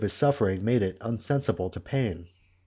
3 suffering made it insensible to pain.